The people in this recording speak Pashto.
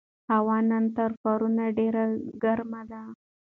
هوا نن تر پرون ډېره ګرمه ده.